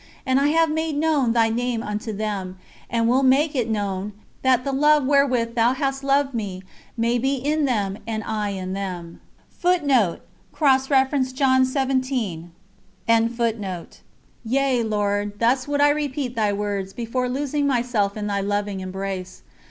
And I have made known Thy name unto them, and will make it known, that the love wherewith Thou hast loved me may be in them and I in them." Yea, Lord, thus would I repeat Thy words, before losing myself in Thy loving embrace.